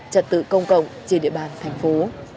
trật tự công cộng trên địa bàn thành phố